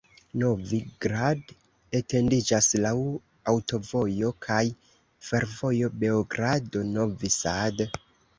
Novi Grad etendiĝas laŭ aŭtovojo kaj fervojo Beogrado-Novi Sad.